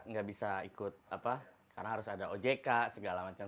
nggak bisa ikut apa karena harus ada ojk segala macam